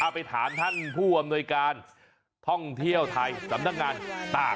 ไปถามท่านผู้อำนวยการท่องเที่ยวไทยสำนักงานตาก